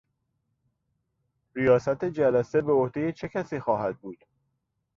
ریاست جلسه به عهده چه کسی خواهد بود؟